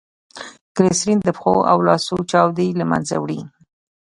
ګلیسرین دپښو او لاسو چاودي له منځه وړي.